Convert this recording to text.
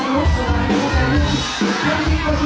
ทุกที่ว่าใช่ไหม